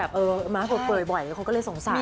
เออมากกว่าเปิดบ่อยคนก็เลยสงสัย